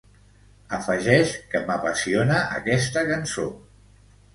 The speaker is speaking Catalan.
Afegeix que m'apassiona aquesta cançó.